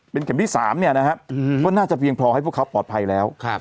เป็นเข็มที่๓น่าจะเพียงพอให้พวกเขาปลอดภัยแล้ว